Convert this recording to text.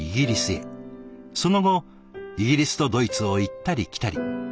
その後イギリスとドイツを行ったり来たり。